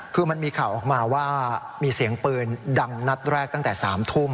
คือมันมีข่าวออกมาว่ามีเสียงปืนดังนัดแรกตั้งแต่๓ทุ่ม